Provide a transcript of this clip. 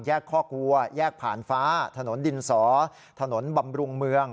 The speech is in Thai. ข้อกลัวแยกผ่านฟ้าถนนดินสอถนนบำรุงเมือง